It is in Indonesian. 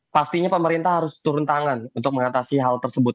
pastinya pemerintah harus turun tangan untuk mengatasi hal tersebut